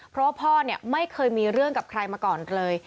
เพราะว่าพ่อเนี่ยไม่เคยมีเรื่องกับใครมาก่อนเลย